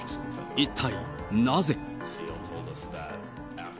一体なぜ。